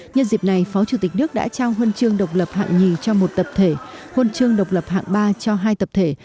nhân dịp này phó chủ tịch nước đã trao huân chương độc lập hạng nhì cho một tập thể huân chương độc lập hạng ba cho hai tập thể